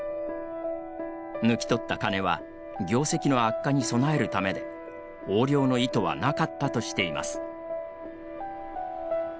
抜き取った金は業績の悪化に備えるためで横領の意図はなかったとしています。